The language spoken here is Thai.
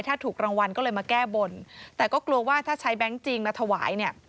ถ้าถูกรางวัลก็เลยมาแก้บนแต่ก็กลัวว่าถ้าใช้แบงค์จริงมาถวายเนี่ย